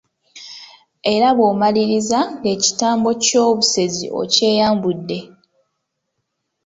Era bw’omaliriza ng’ekitambo ky’obusezi okyeyambudde.